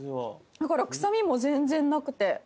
だから臭みも全然なくて。